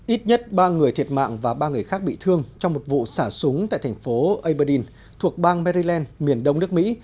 ít nhất ba người thiệt mạng và ba người khác bị thương trong một vụ xả súng tại thành phố aberdin thuộc bang maerland miền đông nước mỹ